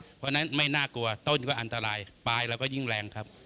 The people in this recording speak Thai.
เพราะฉะนั้นไม่น่ากลัวต้นก็อันตรายปลายเราก็ยิ่งแรงครับ